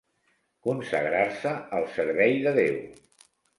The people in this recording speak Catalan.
Consagrar-se al servei de Déu.